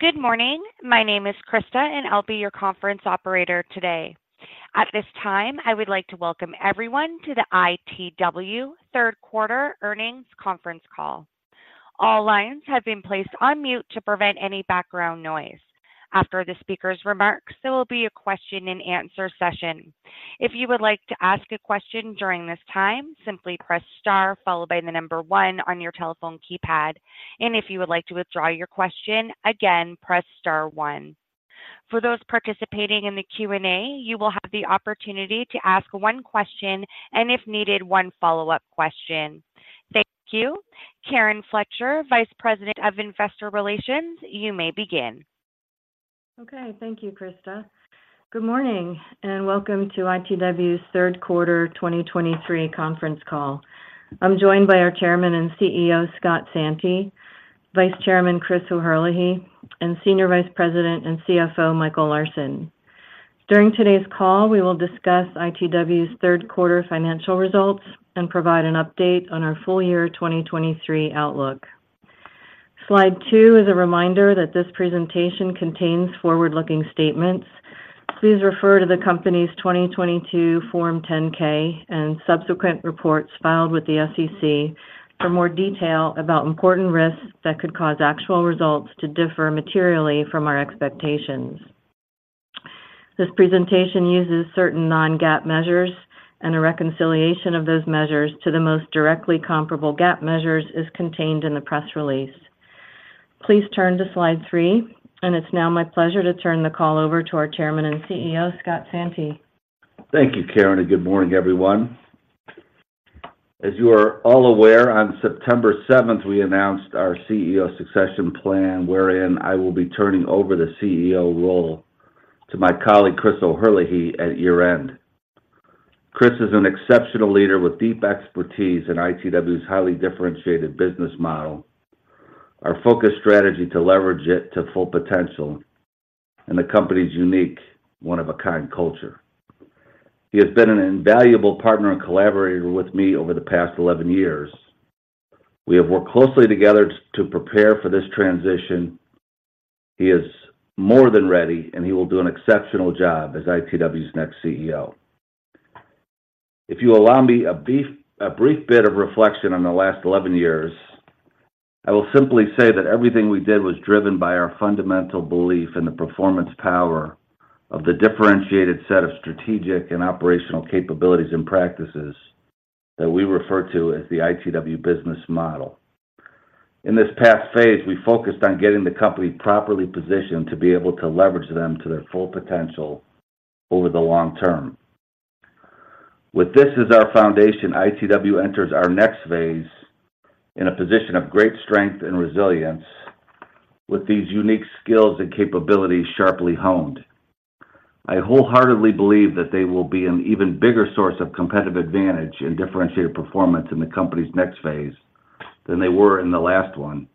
Good morning. My name is Krista, and I'll be your conference operator today. At this time, I would like to welcome everyone to the ITW Third Quarter Earnings Conference Call. All lines have been placed on mute to prevent any background noise. After the speaker's remarks, there will be a question-and-answer session. If you would like to ask a question during this time, simply press star followed by the number one on your telephone keypad. And if you would like to withdraw your question, again, press star one. For those participating in the Q&A, you will have the opportunity to ask one question, and if needed, one follow-up question. Thank you. Karen Fletcher, Vice President of Investor Relations, you may begin. Okay. Thank you, Krista. Good morning, and welcome to ITW's Third Quarter 2023 conference call. I'm joined by our Chairman and CEO, Scott Santi, Vice Chairman, Chris O'Herlihy, and Senior Vice President and CFO, Michael Larsen. During today's call, we will discuss ITW's third quarter financial results and provide an update on our full year 2023 outlook. Slide two is a reminder that this presentation contains forward-looking statements. Please refer to the company's 2022 Form 10-K and subsequent reports filed with the SEC for more detail about important risks that could cause actual results to differ materially from our expectations. This presentation uses certain non-GAAP measures, and a reconciliation of those measures to the most directly comparable GAAP measures is contained in the press release. Please turn to slide three, and it's now my pleasure to turn the call over to our Chairman and CEO, Scott Santi. Thank you, Karen, and good morning, everyone. As you are all aware, on September 7th, we announced our CEO succession plan, wherein I will be turning over the CEO role to my colleague, Chris O'Herlihy, at year-end. Chris is an exceptional leader with deep expertise in ITW's highly differentiated business model, our focus strategy to leverage it to full potential, and the company's unique, one-of-a-kind culture. He has been an invaluable partner and collaborator with me over the past 11 years. We have worked closely together to prepare for this transition. He is more than ready, and he will do an exceptional job as ITW's next CEO. If you allow me a brief bit of reflection on the last 11 years, I will simply say that everything we did was driven by our fundamental belief in the performance power of the differentiated set of strategic and operational capabilities and practices that we refer to as the ITW Business Model. In this past phase, we focused on getting the company properly positioned to be able to leverage them to their full potential over the long term. With this as our foundation, ITW enters our next phase in a position of great strength and resilience with these unique skills and capabilities sharply honed. I wholeheartedly believe that they will be an even bigger source of competitive advantage and differentiated performance in the company's next phase than they were in the last one,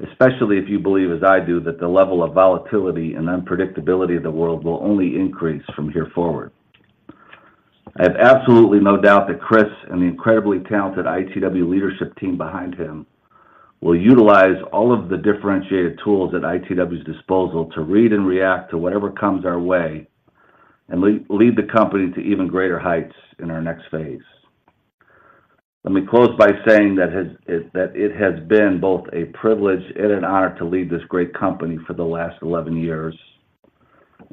especially if you believe, as I do, that the level of volatility and unpredictability of the world will only increase from here forward. I have absolutely no doubt that Chris and the incredibly talented ITW leadership team behind him will utilize all of the differentiated tools at ITW's disposal to read and react to whatever comes our way and lead the company to even greater heights in our next phase. Let me close by saying that it has been both a privilege and an honor to lead this great company for the last 11 years,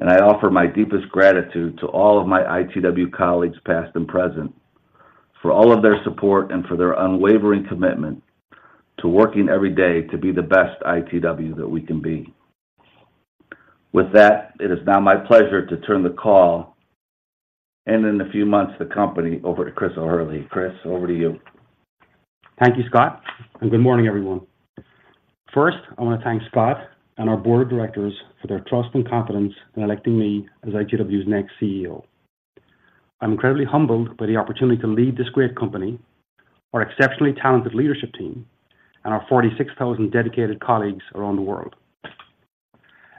and I offer my deepest gratitude to all of my ITW colleagues, past and present, for all of their support and for their unwavering commitment to working every day to be the best ITW that we can be. With that, it is now my pleasure to turn the call, and in a few months, the company over to Chris O'Herlihy. Chris, over to you. Thank you, Scott, and good morning, everyone. First, I want to thank Scott and our board of directors for their trust and confidence in electing me as ITW's next CEO. I'm incredibly humbled by the opportunity to lead this great company, our exceptionally talented leadership team, and our 46,000 dedicated colleagues around the world.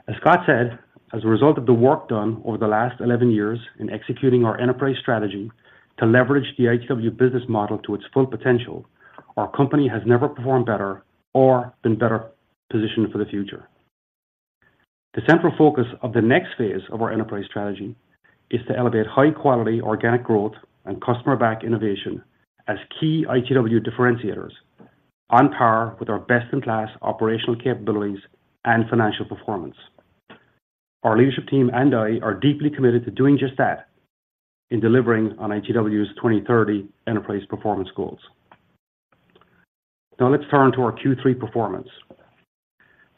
As Scott said, as a result of the work done over the last 11 years in executing our enterprise strategy to leverage the ITW Business Model to its full potential, our company has never performed better or been better positioned for the future. The central focus of the next phase of our enterprise strategy is to elevate high-quality organic growth and customer-back innovation as key ITW differentiators on par with our best-in-class operational capabilities and financial performance. Our leadership team and I are deeply committed to doing just that in delivering on ITW's 2030 enterprise performance goals. Now let's turn to our Q3 performance.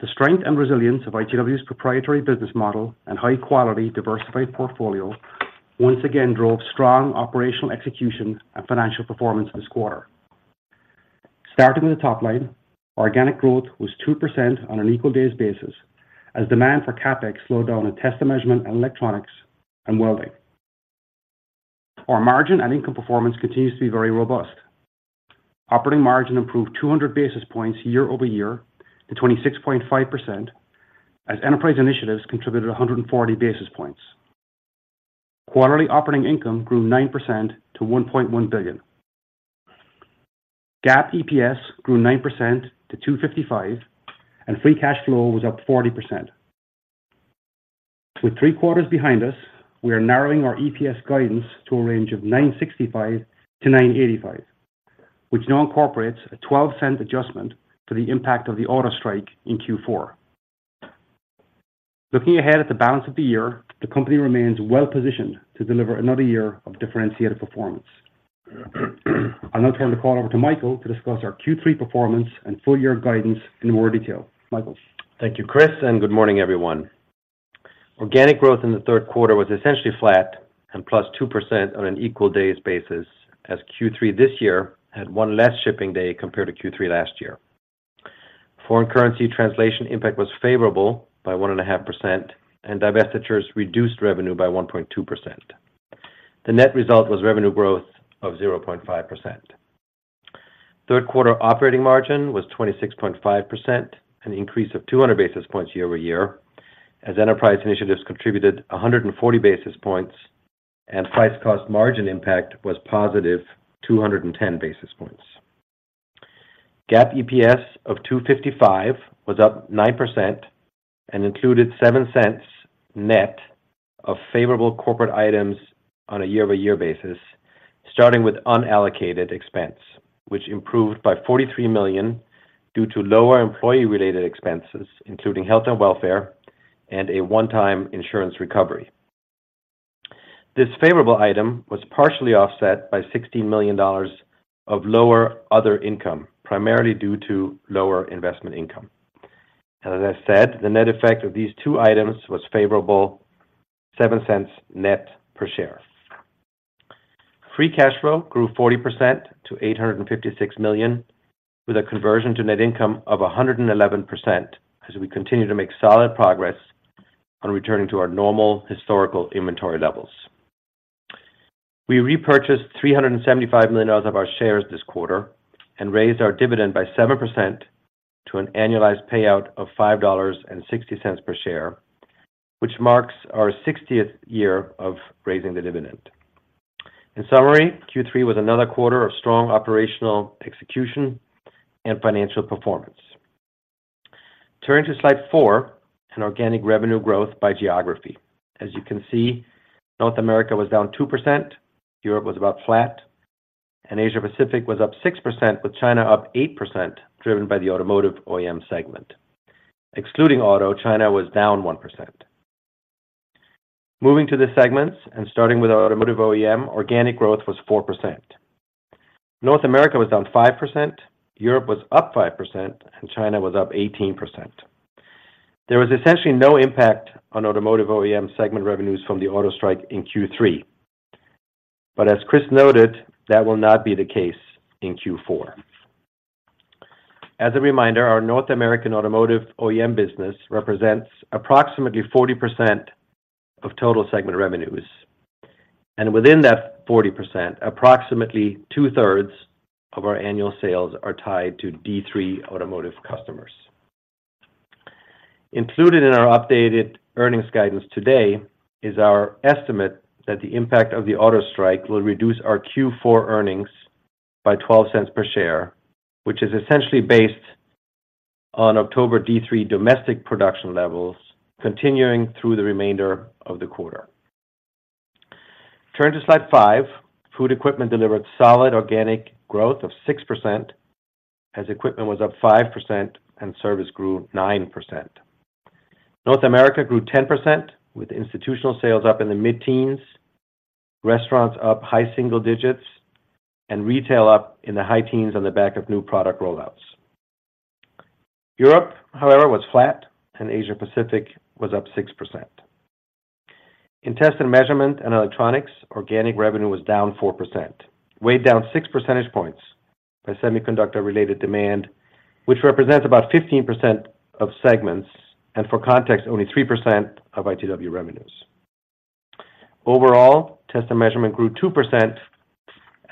The strength and resilience of ITW's proprietary business model and high-quality, diversified portfolio once again drove strong operational execution and financial performance this quarter. Starting with the top line, organic growth was 2% on an equal days basis as demand for CapEx slowed down in Test and Measurement, and Electronics, and Welding. Our margin and income performance continues to be very robust. Operating margin improved 200 basis points year-over-year to 26.5%, as enterprise initiatives contributed 140 basis points. Quarterly operating income grew 9% to $1.1 billion. GAAP EPS grew 9% to $2.55, and free cash flow was up 40%. With three quarters behind us, we are narrowing our EPS guidance to a range of $9.65-$9.85, which now incorporates a $0.12 adjustment to the impact of the auto strike in Q4. Looking ahead at the balance of the year, the company remains well-positioned to deliver another year of differentiated performance. I'll now turn the call over to Michael to discuss our Q3 performance and full year guidance in more detail. Michael? Thank you, Chris, and good morning, everyone. Organic growth in the third quarter was essentially flat and +2% on an equal days basis, as Q3 this year had one less shipping day compared to Q3 last year. Foreign currency translation impact was favorable by 1.5%, and divestitures reduced revenue by 1.2%. The net result was revenue growth of 0.5%. Third quarter operating margin was 26.5%, an increase of 200 basis points year-over-year, as enterprise Initiatives contributed 140 basis points, and price cost margin impact was positive, 210 basis points. GAAP EPS of $2.55 was up 9% and included $0.07 net of favorable corporate items on a year-over-year basis, starting with unallocated expense, which improved by $43 million due to lower employee-related expenses, including health and welfare, and a one-time insurance recovery. This favorable item was partially offset by $16 million of lower other income, primarily due to lower investment income. And as I said, the net effect of these two items was favorable, $0.07 net per share. Free cash flow grew 40% to $856 million, with a conversion to net income of 111%, as we continue to make solid progress on returning to our normal historical inventory levels. We repurchased $375 million of our shares this quarter and raised our dividend by 7% to an annualized payout of $5.60 per share, which marks our 60th year of raising the dividend. In summary, Q3 was another quarter of strong operational execution and financial performance. Turning to Slide four, organic revenue growth by geography. As you can see, North America was down 2%, Europe was about flat, and Asia Pacific was up 6%, with China up 8%, driven by the Automotive OEM segment. Excluding auto, China was down 1%. Moving to the segments and starting with our Automotive OEM, organic growth was 4%. North America was down 5%, Europe was up 5%, and China was up 18%. There was essentially no impact on Automotive OEM segment revenues from the auto strike in Q3, but as Chris noted, that will not be the case in Q4. As a reminder, our North American Automotive OEM business represents approximately 40% of total segment revenues, and within that 40%, approximately 2/3 of our annual sales are tied to D3 automotive customers. Included in our updated earnings guidance today is our estimate that the impact of the auto strike will reduce our Q4 earnings by $0.12 per share, which is essentially based on October D3 domestic production levels continuing through the remainder of the quarter. Turning to Slide five, Food Equipment delivered solid organic growth of 6%, as equipment was up 5% and service grew 9%. North America grew 10%, with institutional sales up in the mid-teens, restaurants up high single digits, and retail up in the high teens on the back of new product rollouts. Europe, however, was flat, and Asia Pacific was up 6%. In Test and Measurement and Electronics, organic revenue was down 4%, weighed down 6 percentage points by semiconductor-related demand, which represents about 15% of segments, and for context, only 3% of ITW revenues. Overall, Test and Measurement grew 2%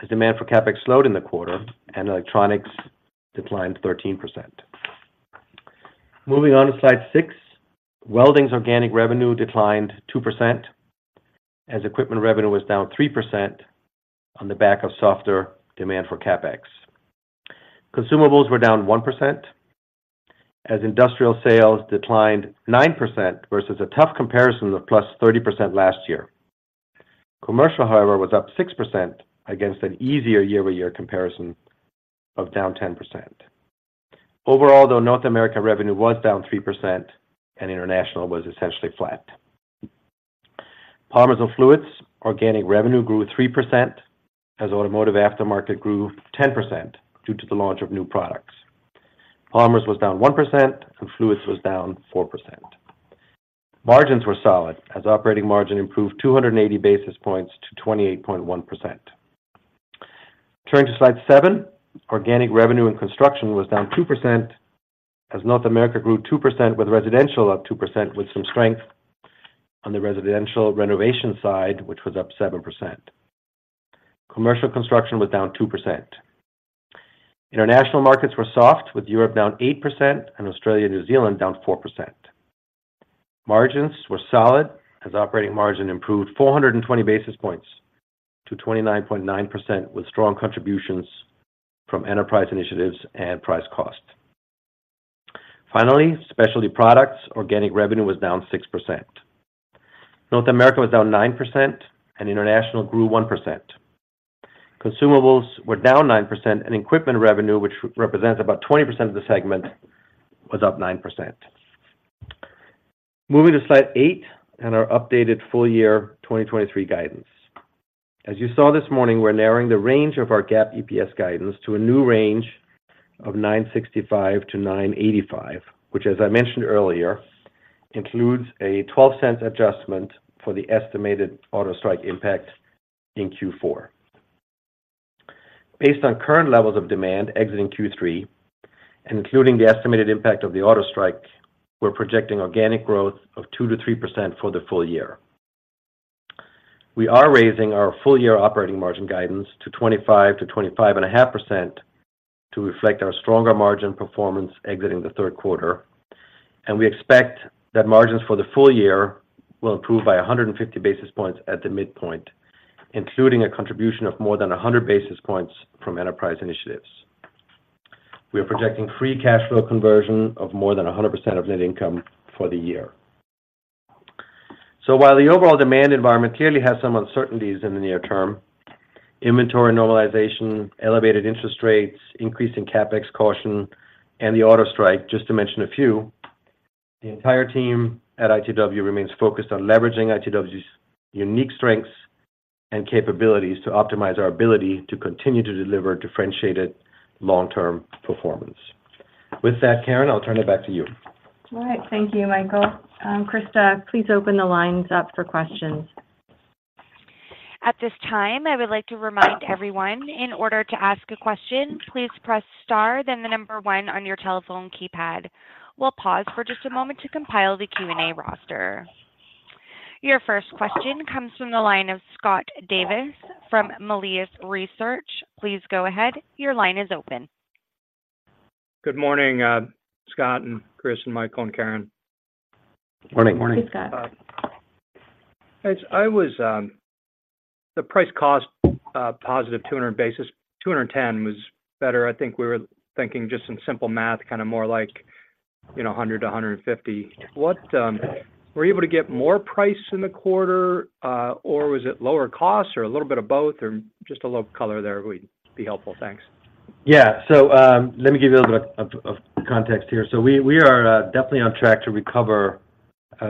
as demand for CapEx slowed in the quarter, and electronics declined 13%. Moving on to Slide six, Welding's organic revenue declined 2%, as equipment revenue was down 3% on the back of softer demand for CapEx. Consumables were down 1% as industrial sales declined 9% versus a tough comparison of +30% last year. Commercial, however, was up 6% against an easier year-over-year comparison of down 10%. Overall, though, North American revenue was down 3% and international was essentially flat. Polymers and Fluids, organic revenue grew 3% as Automotive aftermarket grew 10% due to the launch of new products. Polymers was down 1%, and Fluids was down 4%. Margins were solid as operating margin improved 280 basis points to 28.1%. Turning to Slide seven, organic revenue in Construction was down 2%, as North America grew 2%, with residential up 2%, with some strength on the residential renovation side, which was up 7%. Commercial Construction was down 2%. International markets were soft, with Europe down 8% and Australia and New Zealand down 4%. Margins were solid as operating margin improved 420 basis points to 29.9%, with strong contributions from enterprise initiatives and price cost. Finally, Specialty Products, organic revenue was down 6%. North America was down 9%, and international grew 1%. Consumables were down 9%, and equipment revenue, which represents about 20% of the segment, was up 9%. Moving to slide eight and our updated full year 2023 guidance. As you saw this morning, we're narrowing the range of our GAAP EPS guidance to a new range of $9.65-$9.85, which, as I mentioned earlier, includes a $0.12 adjustment for the estimated auto strike impact in Q4. Based on current levels of demand exiting Q3, including the estimated impact of the auto strike, we're projecting organic growth of 2%-3% for the full year. We are raising our full year operating margin guidance to 25%-25.5% to reflect our stronger margin performance exiting the third quarter, and we expect that margins for the full year will improve by 150 basis points at the midpoint, including a contribution of more than 100 basis points from enterprise initiatives. We are projecting free cash flow conversion of more than 100% of net income for the year. So while the overall demand environment clearly has some uncertainties in the near term, inventory normalization, elevated interest rates, increasing CapEx caution, and the auto strike, just to mention a few, the entire team at ITW remains focused on leveraging ITW's unique strengths and capabilities to optimize our ability to continue to deliver differentiated long-term performance. With that, Karen, I'll turn it back to you. All right. Thank you, Michael. Krista, please open the lines up for questions. At this time, I would like to remind everyone, in order to ask a question, please press star, then the number one on your telephone keypad. We'll pause for just a moment to compile the Q&A roster. Your first question comes from the line of Scott Davis from Melius Research. Please go ahead. Your line is open. Good morning, Scott and Chris and Michael and Karen. Morning. Morning, Scott. The price-cost, positive 200 basis, 210 was better. I think we were thinking just some simple math, kind of more like, you know, 100-150. What were you able to get more price in the quarter, or was it lower cost, or a little bit of both, or just a little color there would be helpful. Thanks. Yeah. So, let me give you a little bit of context here. So we are definitely on track to recover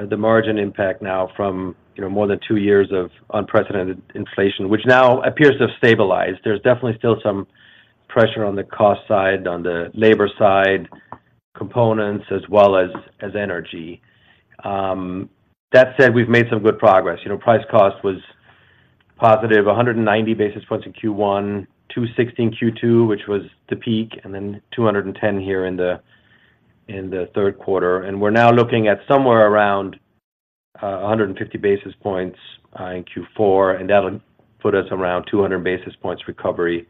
the margin impact now from, you know, more than two years of unprecedented inflation, which now appears to have stabilized. There's definitely still some pressure on the cost side, on the labor side, components, as well as energy. That said, we've made some good progress. You know, price cost was positive, 190 basis points in Q1, 260 in Q2, which was the peak, and then 210 here in the third quarter. And we're now looking at somewhere around 150 basis points in Q4, and that'll put us around 200 basis points recovery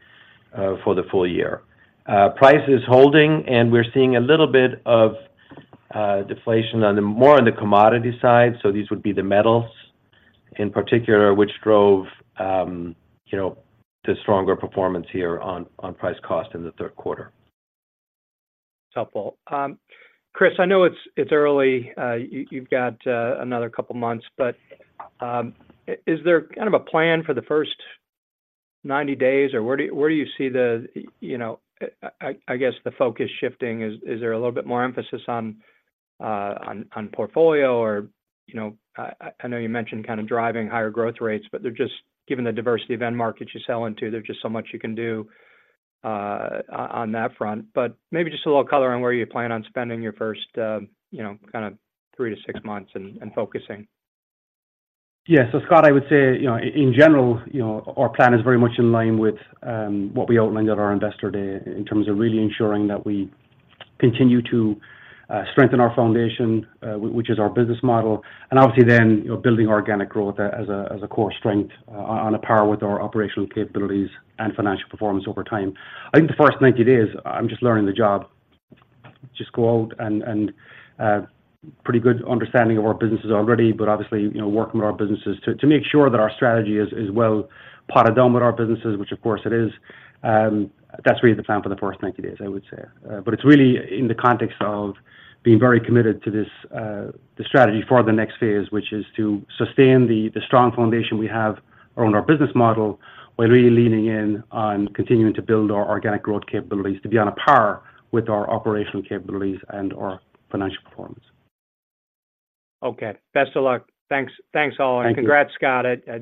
for the full year. Price is holding, and we're seeing a little bit of deflation on the, more on the commodity side. So these would be the metals, in particular, which drove, you know, the stronger performance here on price cost in the third quarter. Helpful. Chris, I know it's early, you, you've got another couple of months, but is there kind of a plan for the first 90 days, or where do you see the, you know, I, I, I guess, the focus shifting? Is there a little bit more emphasis on, on portfolio or, you know, I, I, I know you mentioned kind of driving higher growth rates, but they're just, given the diversity of end markets you sell into, there's just so much you can do on that front. Maybe just a little color on where you plan on spending your first, you know, kind of three to six months and focusing. Yeah. So, Scott, I would say, you know, in general, you know, our plan is very much in line with what we outlined at our Investor Day in terms of really ensuring that we continue to strengthen our foundation, which is our business model, and obviously then, building organic growth as a core strength on a par with our operational capabilities and financial performance over time. I think the first 90 days, I'm just learning the job. Just go out and pretty good understanding of our businesses already, but obviously, you know, working with our businesses to make sure that our strategy is well thought of down with our businesses, which of course it is. That's really the plan for the first 90 days, I would say. But it's really in the context of being very committed to this, the strategy for the next phase, which is to sustain the, the strong foundation we have around our business model, while really leaning in on continuing to build our organic growth capabilities to be on a par with our operational capabilities and our financial performance. Okay. Best of luck. Thanks. Thanks, all. Thank you. Congrats, Scott. A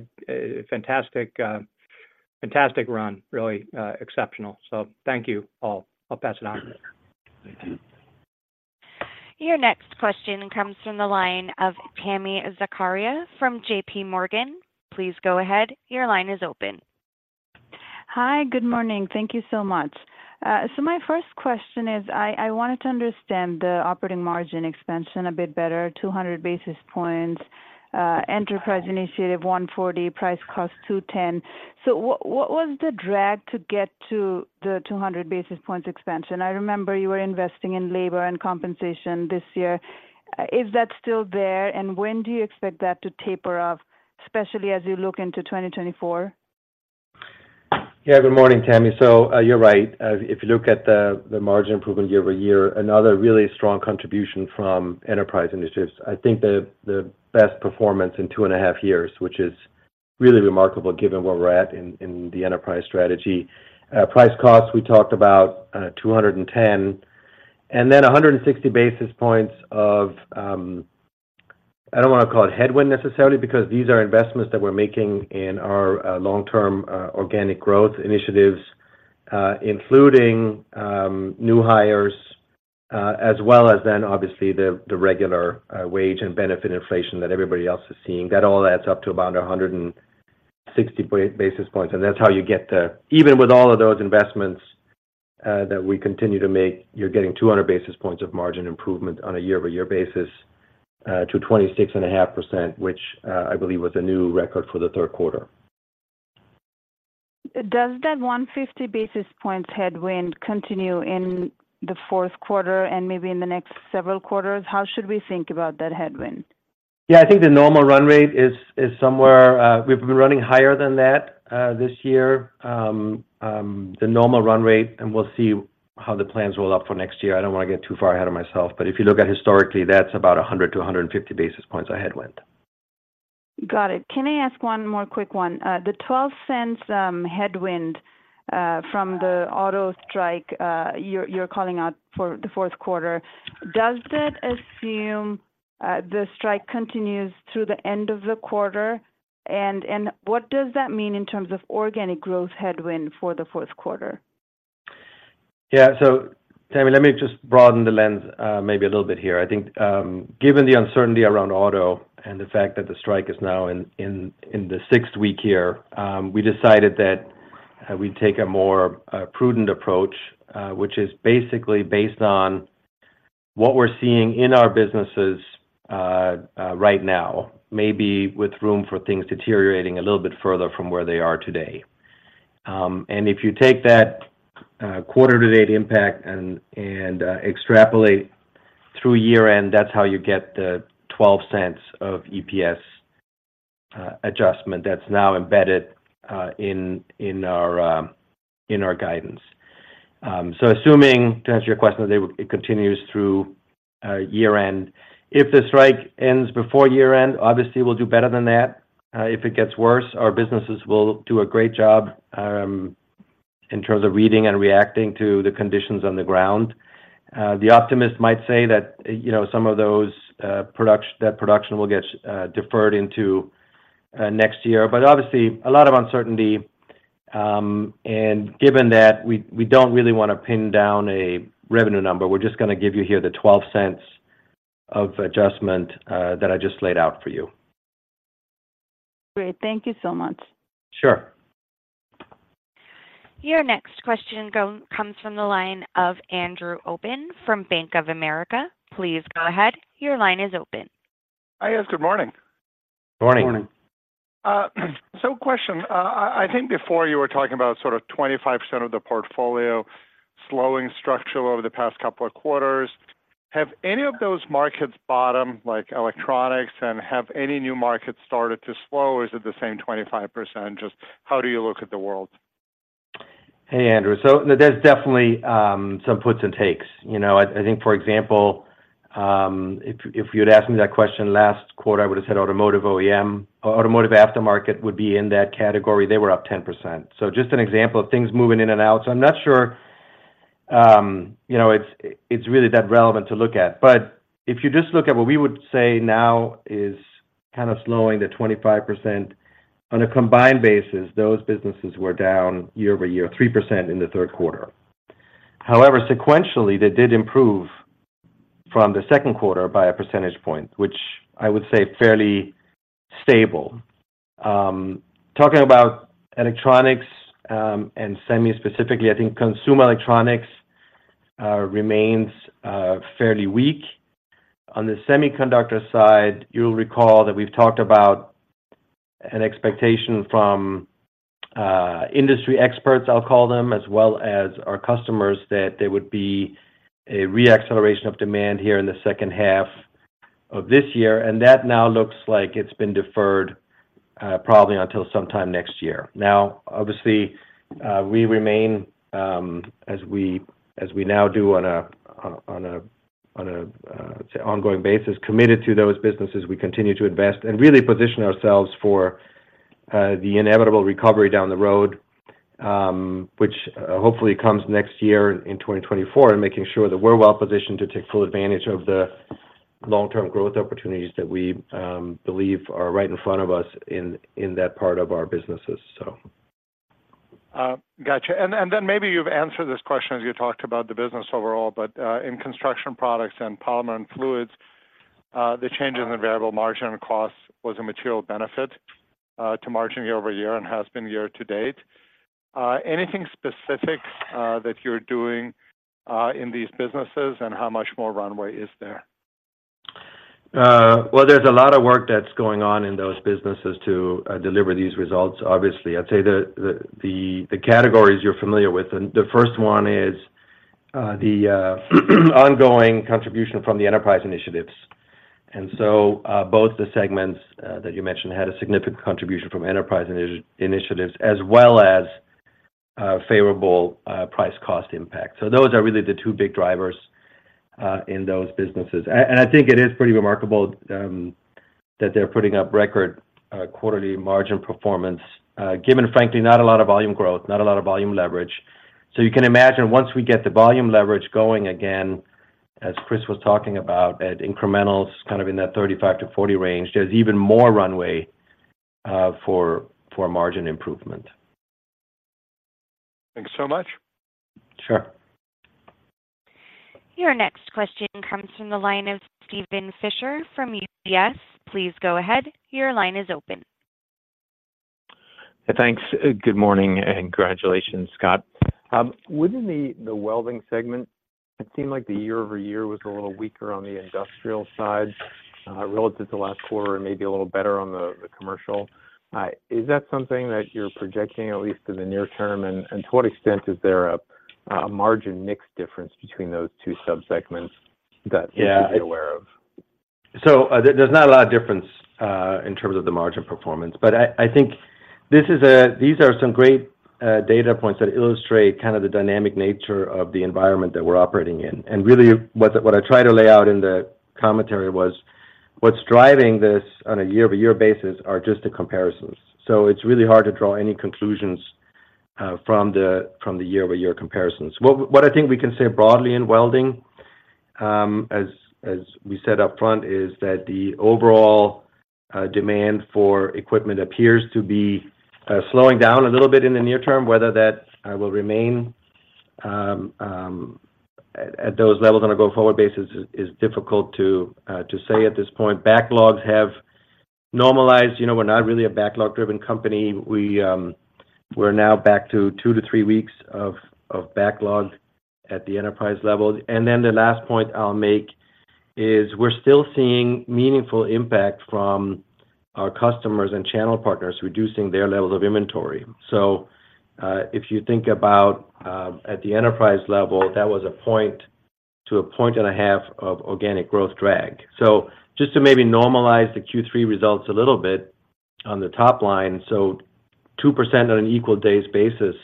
fantastic run. Really exceptional. So thank you all. I'll pass it on. Thank you. Your next question comes from the line of Tami Zakaria from JPMorgan. Please go ahead. Your line is open. Hi, good morning. Thank you so much. So my first question is, I wanted to understand the operating margin expansion a bit better, 200 basis points. ... Enterprise Initiatives 140, price cost 210. So what was the drag to get to the 200 basis points expansion? I remember you were investing in labor and compensation this year. Is that still there, and when do you expect that to taper off, especially as you look into 2024? Yeah. Good morning, Tami. You're right. If you look at the margin improvement year over year, another really strong contribution from enterprise initiatives. I think the best performance in 2.5 years, which is really remarkable given where we're at in the enterprise strategy. Price cost, we talked about, 210, and then 160 basis points of, I don't want to call it headwind necessarily, because these are investments that we're making in our long-term organic growth initiatives, including new hires, as well as then obviously the regular wage and benefit inflation that everybody else is seeing. That all adds up to about 160 basis points, and that's how you get the... Even with all of those investments that we continue to make, you're getting 200 basis points of margin improvement on a year-over-year basis to 26.5%, which, I believe, was a new record for the third quarter. Does that 150 basis points headwind continue in the fourth quarter and maybe in the next several quarters? How should we think about that headwind? Yeah, I think the normal run rate is somewhere, we've been running higher than that, this year, the normal run rate, and we'll see how the plans roll out for next year. I don't want to get too far ahead of myself, but if you look at historically, that's about 100 basis points-150 basis points of headwind. Got it. Can I ask one more quick one? The $0.12 headwind from the auto strike you're calling out for the fourth quarter, does that assume the strike continues through the end of the quarter? And what does that mean in terms of organic growth headwind for the fourth quarter? Yeah. So, Tami, let me just broaden the lens, maybe a little bit here. I think, given the uncertainty around auto and the fact that the strike is now in the sixth week here, we decided that we'd take a more prudent approach, which is basically based on what we're seeing in our businesses right now. Maybe with room for things deteriorating a little bit further from where they are today. And if you take that quarter-to-date impact and extrapolate through year-end, that's how you get the $0.12 of EPS adjustment that's now embedded in our guidance. So assuming, to answer your question, that it continues through year-end. If the strike ends before year-end, obviously, we'll do better than that. If it gets worse, our businesses will do a great job in terms of reading and reacting to the conditions on the ground. The optimist might say that, you know, some of that production will get deferred into next year, but obviously, a lot of uncertainty. Given that, we don't really want to pin down a revenue number. We're just gonna give you here the $0.12 of adjustment that I just laid out for you. Great. Thank you so much. Sure. Your next question comes from the line of Andrew Obin from Bank of America. Please go ahead. Your line is open. Hi, yes, good morning. Morning. Morning. So question: I think before you were talking about sort of 25% of the portfolio slowing structural over the past couple of quarters. Have any of those markets bottom, like electronics, and have any new markets started to slow, or is it the same 25%? Just how do you look at the world? Hey, Andrew. So there's definitely some puts and takes. You know, I think, for example, if you'd asked me that question last quarter, I would have said Automotive OEM. Automotive aftermarket would be in that category; they were up 10%. So just an example of things moving in and out. So I'm not sure, you know, it's really that relevant to look at. But if you just look at what we would say now is kind of slowing to 25%, on a combined basis, those businesses were down year-over-year 3% in the third quarter. However, sequentially, they did improve from the second quarter by a percentage point, which I would say fairly stable. Talking about electronics and semi specifically, I think consumer electronics remains fairly weak. On the semiconductor side, you'll recall that we've talked about an expectation from industry experts, I'll call them, as well as our customers, that there would be a reacceleration of demand here in the second half of this year, and that now looks like it's been deferred, probably until sometime next year. Now, obviously, we remain, as we now do on an ongoing basis, committed to those businesses. We continue to invest and really position ourselves for the inevitable recovery down the road, which hopefully comes next year in 2024, and making sure that we're well positioned to take full advantage of the long-term growth opportunities that we believe are right in front of us in that part of our businesses, so. Gotcha. And then maybe you've answered this question as you talked about the business overall, but in Construction products and Polymer and Fluids, the change in the variable margin costs was a material benefit to margin year-over-year and has been year-to-date.... anything specific that you're doing in these businesses, and how much more runway is there? Well, there's a lot of work that's going on in those businesses to deliver these results. Obviously, I'd say the categories you're familiar with, and the first one is the ongoing contribution from the enterprise initiatives. So both the segments that you mentioned had a significant contribution from enterprise initiatives, as well as favorable price cost impact. So those are really the two big drivers in those businesses. And I think it is pretty remarkable that they're putting up record quarterly margin performance, given, frankly, not a lot of volume growth, not a lot of volume leverage. So you can imagine, once we get the volume leverage going again, as Chris was talking about, at incrementals kind of in that 35-40 range, there's even more runway for margin improvement. Thanks so much. Sure. Your next question comes from the line of Steven Fisher from UBS. Please go ahead. Your line is open. Thanks. Good morning, and congratulations, Scott. Within the Welding segment, it seemed like the year-over-year was a little weaker on the industrial side, relative to last quarter, and maybe a little better on the commercial. Is that something that you're projecting, at least in the near term? And to what extent is there a margin mix difference between those two subsegments that- Yeah - you're aware of? So, there's not a lot of difference in terms of the margin performance. But I think this is. These are some great data points that illustrate kind of the dynamic nature of the environment that we're operating in. And really, what I tried to lay out in the commentary was, what's driving this on a year-over-year basis are just the comparisons. So it's really hard to draw any conclusions from the year-over-year comparisons. What I think we can say broadly in Welding, as we said up front, is that the overall demand for equipment appears to be slowing down a little bit in the near term. Whether that will remain at those levels on a go-forward basis is difficult to say at this point. Backlogs have normalized. You know, we're not really a backlog-driven company. We, we're now back to 2 weeks-3 weeks of backlog at the enterprise level. And then the last point I'll make is we're still seeing meaningful impact from our customers and channel partners reducing their levels of inventory. So, if you think about, at the enterprise level, that was 1 point-1.5 points of organic growth drag. So just to maybe normalize the Q3 results a little bit on the top line, 2% on an equal days basis,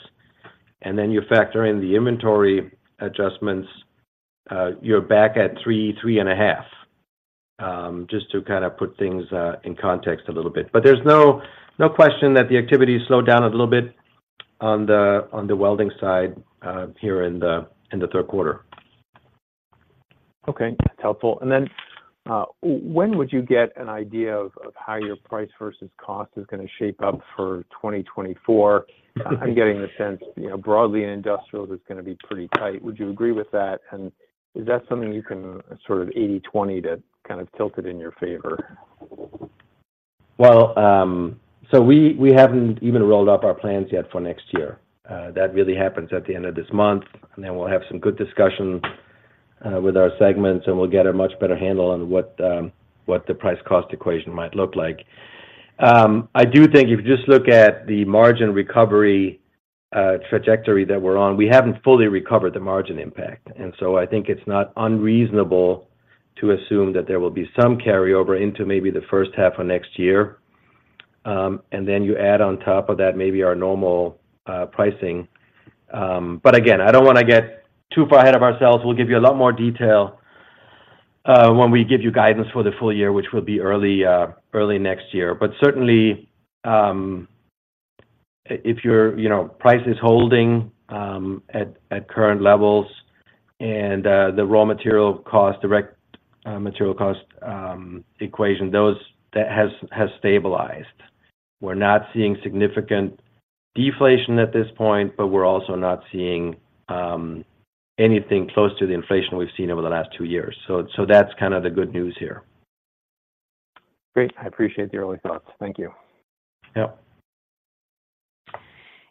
and then you factor in the inventory adjustments, you're back at 3, 3.5. Just to kind of put things in context a little bit. But there's no, no question that the activity has slowed down a little bit on the Welding side, here in the third quarter. Okay, that's helpful. And then, when would you get an idea of how your price versus cost is gonna shape up for 2024? Mm-hmm. I'm getting the sense, you know, broadly in industrials, it's gonna be pretty tight. Would you agree with that? And is that something you can sort of 80/20 to kind of tilt it in your favor? Well, so we haven't even rolled up our plans yet for next year. That really happens at the end of this month, and then we'll have some good discussion with our segments, and we'll get a much better handle on what the price cost equation might look like. I do think if you just look at the margin recovery trajectory that we're on, we haven't fully recovered the margin impact. And so I think it's not unreasonable to assume that there will be some carryover into maybe the first half of next year. And then you add on top of that, maybe our normal pricing. But again, I don't want to get too far ahead of ourselves. We'll give you a lot more detail when we give you guidance for the full year, which will be early next year. But certainly, if you're, you know, price is holding at current levels and the raw material cost, direct material cost equation, that has stabilized. We're not seeing significant deflation at this point, but we're also not seeing anything close to the inflation we've seen over the last two years. So that's kind of the good news here. Great. I appreciate your early thoughts. Thank you. Yep.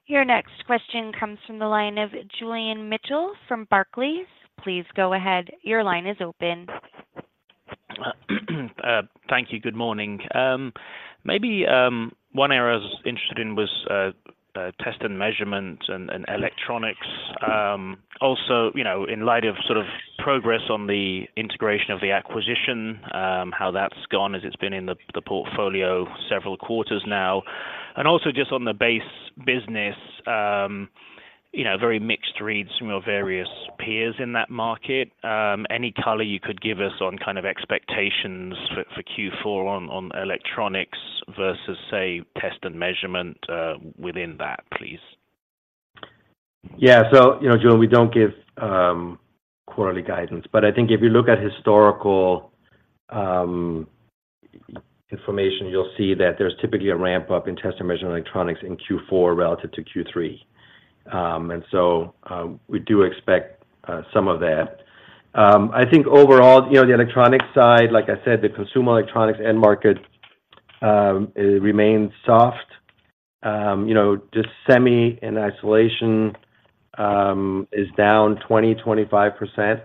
Your next question comes from the line of Julian Mitchell from Barclays. Please go ahead. Your line is open. Thank you. Good morning. Maybe one area I was interested in was Test and Measurement and Electronics. Also, you know, in light of sort of progress on the integration of the acquisition, how that's gone as it's been in the portfolio several quarters now. Also just on the base business, you know, very mixed reads from your various peers in that market. Any color you could give us on kind of expectations for Q4 on Electronics versus, say, Test and Measurement within that, please? Yeah. So, you know, Julian, we don't give quarterly guidance. But I think if you look at historical information, you'll see that there's typically a ramp-up in Test and Measurement Electronics in Q4 relative to Q3. And so we do expect some of that. I think overall, you know, the Electronic side, like I said, the consumer electronics end market, it remains soft. You know, just semi in isolation is down 20-25%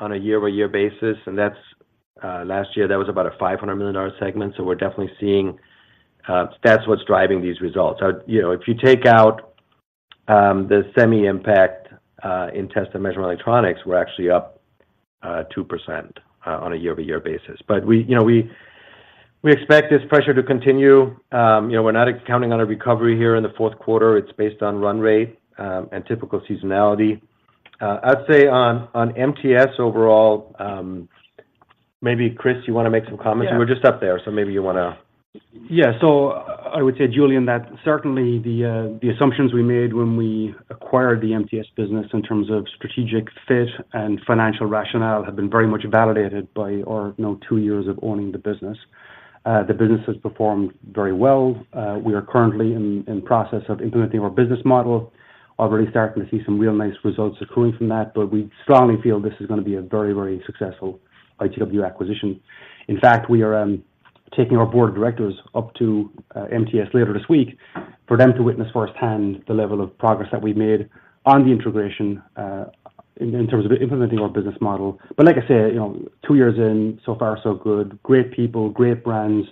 on a year-over-year basis, and that's last year, that was about a $500 million segment. So we're definitely seeing that's what's driving these results. You know, if you take out the semi impact in Test and Measurement Electronics, we're actually up 2% on a year-over-year basis. But we, you know, expect this pressure to continue. You know, we're not counting on a recovery here in the fourth quarter. It's based on run rate and typical seasonality. I'd say on MTS overall, maybe, Chris, you want to make some comments? Yeah. You were just up there, so maybe you wanna. Yeah. So I would say, Julian, that certainly the assumptions we made when we acquired the MTS business in terms of strategic fit and financial rationale have been very much validated by our, now, two years of owning the business. The business has performed very well. We are currently in process of implementing our business model. Already starting to see some real nice results accruing from that, but we strongly feel this is gonna be a very, very successful ITW acquisition. In fact, we are taking our board of directors up to MTS later this week for them to witness firsthand the level of progress that we've made on the integration, in terms of implementing our business model. But like I said, you know, two years in, so far, so good. Great people, great brands,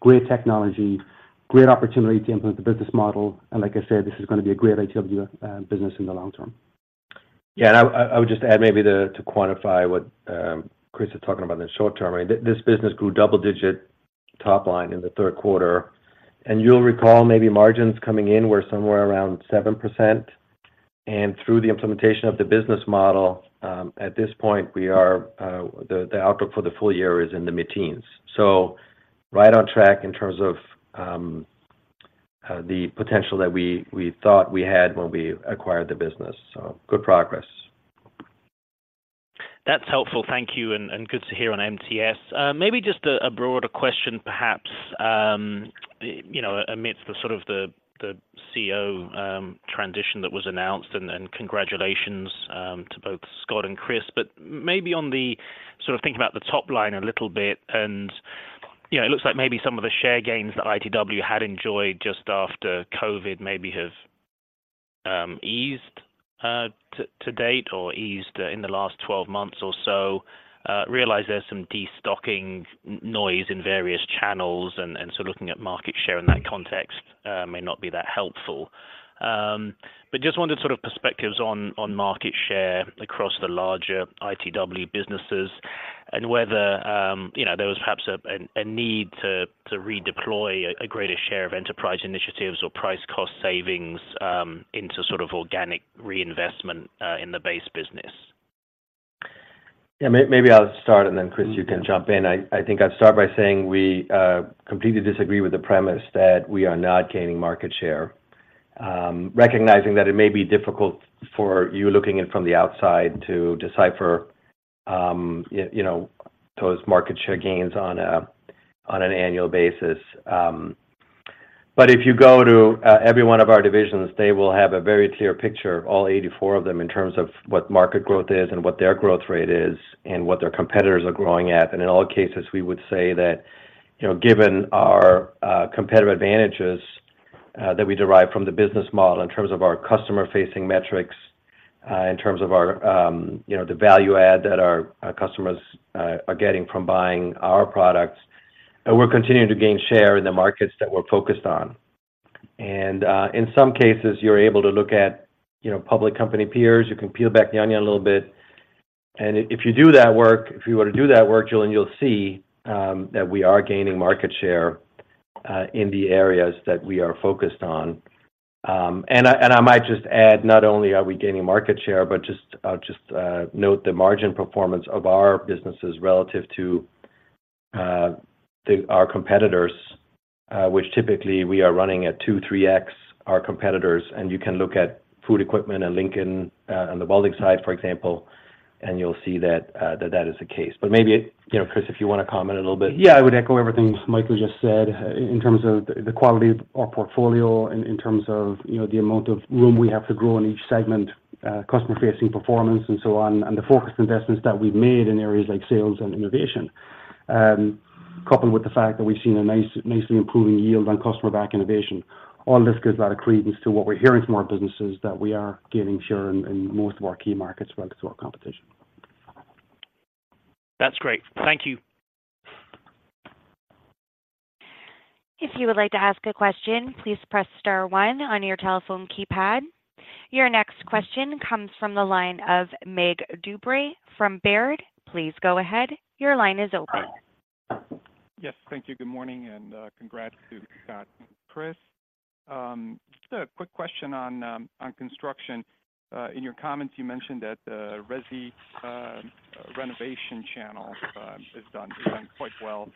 great technology, great opportunity to implement the business model. Like I said, this is gonna be a great ITW business in the long term. Yeah, and I would just add maybe to quantify what Chris is talking about in the short term, right? This business grew double-digit top line in the third quarter, and you'll recall, maybe margins coming in were somewhere around 7%. Through the implementation of the business model, at this point, the outlook for the full year is in the mid-teens. So right on track in terms of the potential that we thought we had when we acquired the business. So good progress. That's helpful. Thank you, and good to hear on MTS. Maybe just a broader question, perhaps, you know, amidst the sort of the CEO transition that was announced, and congratulations to both Scott and Chris. But maybe on the sort of thinking about the top line a little bit, and, you know, it looks like maybe some of the share gains that ITW had enjoyed just after COVID, maybe have eased to date or eased in the last 12 months or so. Realize there's some destocking noise in various channels, and so looking at market share in that context may not be that helpful. But just wanted sort of perspectives on market share across the larger ITW businesses and whether, you know, there was perhaps a need to redeploy a greater share of enterprise initiatives or price cost savings into sort of organic reinvestment in the base business. Yeah, maybe I'll start, and then, Chris, you can jump in. I think I'd start by saying we completely disagree with the premise that we are not gaining market share. Recognizing that it may be difficult for you looking in from the outside to decipher, you know, those market share gains on an annual basis. But if you go to every one of our divisions, they will have a very clear picture of all 84 of them in terms of what market growth is and what their growth rate is, and what their competitors are growing at. In all cases, we would say that, you know, given our competitive advantages, that we derive from the business model in terms of our customer-facing metrics, in terms of our, you know, the value add that our customers are getting from buying our products, we're continuing to gain share in the markets that we're focused on. In some cases, you're able to look at, you know, public company peers, you can peel back the onion a little bit. If you do that work, if you were to do that work, Julian, you'll see that we are gaining market share in the areas that we are focused on. And I might just add, not only are we gaining market share, but just, I'll just note the margin performance of our businesses relative to the our competitors, which typically we are running at 2x-3x our competitors. And you can look at Food Equipment and Lincoln on the Welding side, for example, and you'll see that that is the case. But maybe, you know, Chris, if you want to comment a little bit. Yeah, I would echo everything Michael just said in terms of the, the quality of our portfolio and in terms of, you know, the amount of room we have to grow in each segment, customer facing performance and so on, and the focused investments that we've made in areas like sales and innovation. Coupled with the fact that we've seen a nice, nicely improving yield on customer back innovation. All this gives a lot of credence to what we're hearing from our businesses, that we are gaining share in most of our key markets relative to our competition. That's great. Thank you. If you would like to ask a question, please press star one on your telephone keypad. Your next question comes from the line of Mig Dobre from Baird. Please go ahead. Your line is open. Yes, thank you. Good morning, and congrats to Scott and Chris. Just a quick question on Construction. In your comments, you mentioned that the resi renovation channel has done quite well.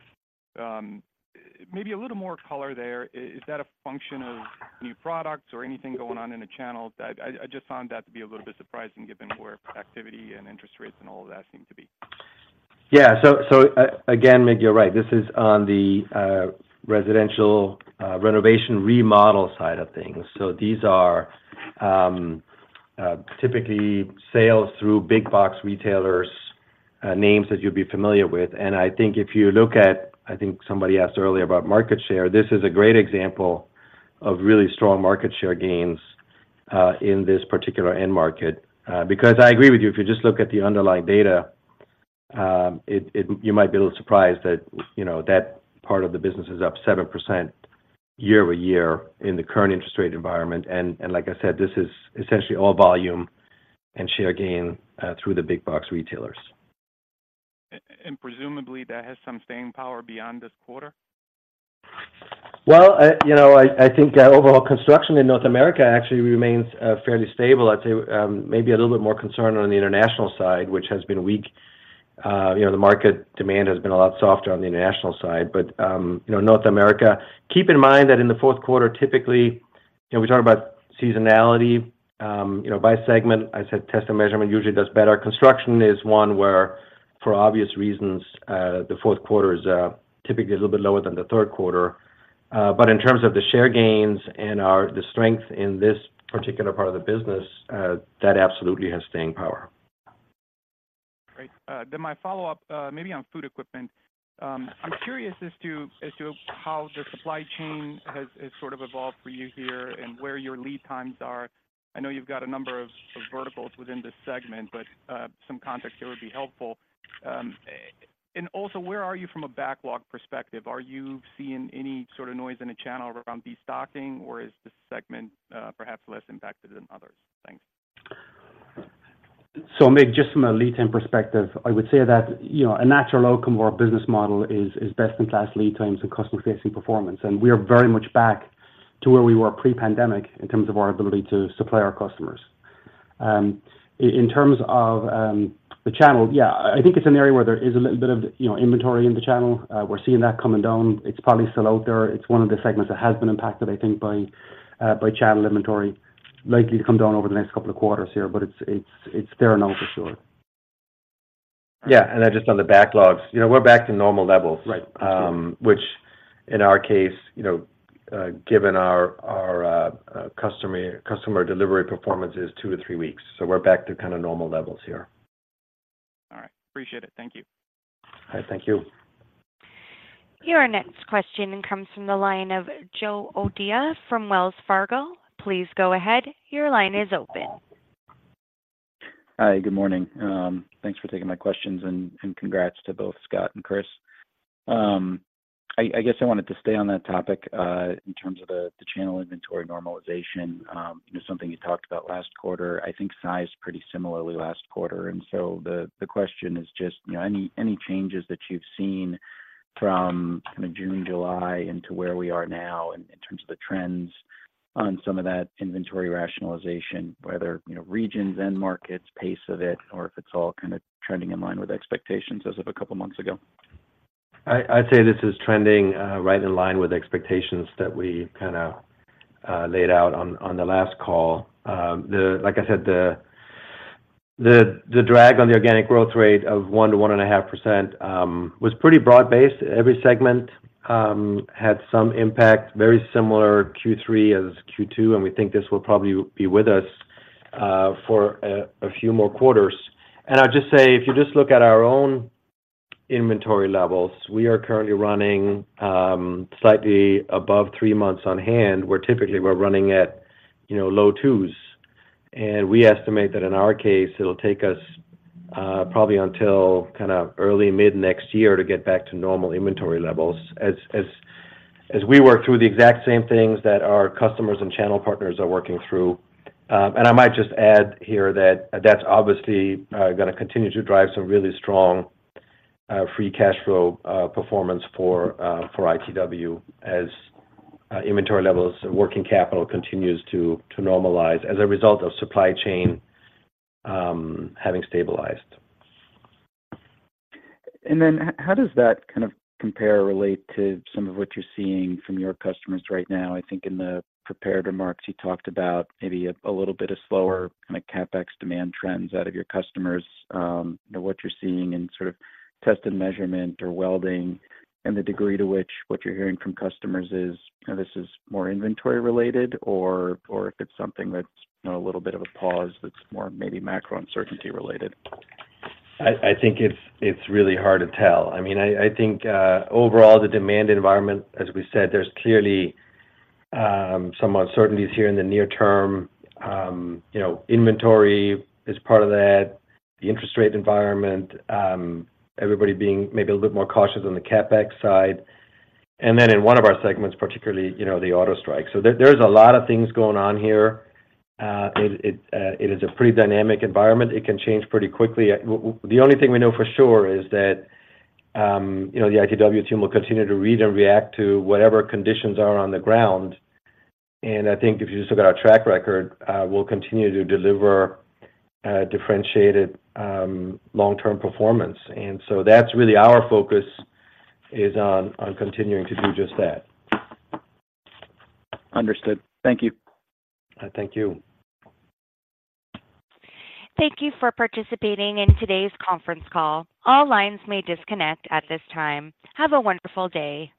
Maybe a little more color there. Is that a function of new products or anything going on in the channel? I just found that to be a little bit surprising given where activity and interest rates and all of that seem to be. Yeah, so again, Mig, you're right. This is on the residential renovation, remodel side of things. So these are typically sales through big box retailers, names that you'd be familiar with. And I think if you look at, I think somebody asked earlier about market share, this is a great example of really strong market share gains in this particular end market. Because I agree with you, if you just look at the underlying data, you might be a little surprised that, you know, that part of the business is up 7% year-over-year in the current interest rate environment. And like I said, this is essentially all volume and share gain through the big box retailers. Presumably, that has some staying power beyond this quarter? Well, you know, I think that overall Construction in North America actually remains fairly stable. I'd say, maybe a little bit more concerned on the international side, which has been weak. You know, the market demand has been a lot softer on the international side, but, you know, North America-- Keep in mind that in the fourth quarter, typically, you know, we talk about seasonality, you know, by segment. I said Test and Measurement usually does better. Construction is one where, for obvious reasons, the fourth quarter is typically a little bit lower than the third quarter. But in terms of the share gains and our-- the strength in this particular part of the business, that absolutely has staying power. Great. Then my follow-up, maybe on Food Equipment. I'm curious as to how the supply chain has sort of evolved for you here and where your lead times are. I know you've got a number of verticals within this segment, but some context here would be helpful. And also, where are you from a backlog perspective? Are you seeing any sort of noise in the channel around destocking, or is this segment perhaps less impacted than others? Thanks. So Mig, just from a lead time perspective, I would say that, you know, a natural outcome of our business model is best-in-class lead times and customer-facing performance, and we are very much back to where we were pre-pandemic in terms of our ability to supply our customers. In terms of the channel, yeah, I think it's an area where there is a little bit of, you know, inventory in the channel. We're seeing that coming down. It's probably still out there. It's one of the segments that has been impacted, I think, by channel inventory, likely to come down over the next couple of quarters here, but it's there now for sure. Yeah, and then just on the backlogs, you know, we're back to normal levels. Right. Which in our case, you know, given our customer delivery performance is 2 weeks-3 weeks, so we're back to kind of normal levels here. All right. Appreciate it. Thank you. Thank you. Your next question comes from the line of Joe O'Dea from Wells Fargo. Please go ahead. Your line is open. Hi, good morning. Thanks for taking my questions, and congrats to both Scott and Chris. I guess I wanted to stay on that topic, in terms of the channel inventory normalization. It's something you talked about last quarter. I think it sized pretty similarly last quarter. And so the question is just, you know, any changes that you've seen from kind of June, July into where we are now in terms of the trends on some of that inventory rationalization, whether, you know, regions, end markets, pace of it, or if it's all kind of trending in line with expectations as of a couple months ago? I'd say this is trending right in line with the expectations that we kinda laid out on the last call. Like I said, the drag on the organic growth rate of 1%-1.5% was pretty broad-based. Every segment had some impact, very similar Q3 as Q2, and we think this will probably be with us for a few more quarters. And I'll just say, if you just look at our own inventory levels, we are currently running slightly above three months on hand, where typically we're running at, you know, low 2s. And we estimate that in our case, it'll take us, probably until kinda early mid-next year to get back to normal inventory levels as we work through the exact same things that our customers and channel partners are working through. And I might just add here that that's obviously gonna continue to drive some really strong free cash flow performance for ITW as inventory levels and working capital continues to normalize as a result of supply chain having stabilized. Then how does that kind of compare or relate to some of what you're seeing from your customers right now? I think in the prepared remarks, you talked about maybe a little bit of slower kind of CapEx demand trends out of your customers, what you're seeing in sort of Test and Measurement or Welding, and the degree to which what you're hearing from customers is, you know, this is more inventory related or if it's something that's a little bit of a pause, that's more maybe macro uncertainty related. I think it's really hard to tell. I mean, I think overall, the demand environment, as we said, there's clearly some uncertainties here in the near term. You know, inventory is part of that, the interest rate environment, everybody being maybe a little bit more cautious on the CapEx side, and then in one of our segments, particularly, you know, the auto strike. So there's a lot of things going on here. It is a pretty dynamic environment. It can change pretty quickly. The only thing we know for sure is that, you know, the ITW team will continue to read and react to whatever conditions are on the ground. And I think if you just look at our track record, we'll continue to deliver differentiated long-term performance. That's really our focus is on continuing to do just that. Understood. Thank you. Thank you. Thank you for participating in today's conference call. All lines may disconnect at this time. Have a wonderful day.